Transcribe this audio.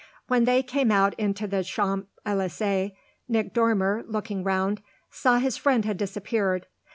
When they came out into the Champs Elysées Nick Dormer, looking round, saw his friend had disappeared.